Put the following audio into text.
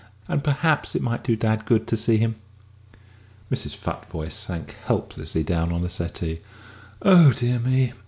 And perhaps it might do dad good to see him." Mrs. Futvoye sank helplessly down on a settee. "Oh, dear me!"